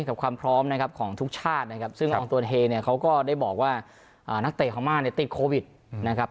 กับความพร้อมของทุกชาตินะครับซึ่งออร์มตัวเฮเนี่ยเขาก็ได้บอกว่านักเตะพามาติดโควิดนะครับ